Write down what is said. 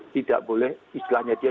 tidak boleh istilahnya dia